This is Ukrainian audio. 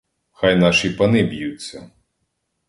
Хай наші пани б'ються.